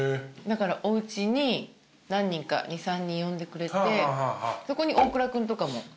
だからおうちに何人か２３人呼んでくれてそこに大倉君とかも。